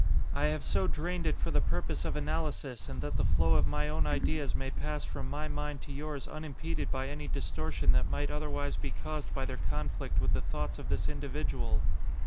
"I have so drained it for the purpose of analysis and that the flow of my own ideas may pass from my mind to yours unimpeded by any distortion that might otherwise be caused by their conflict with the thoughts of this individual.